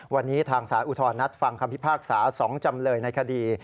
วันนี้ทางสารอุทธรณนัดฟังคำพิพากษา๒จำเลยในคดี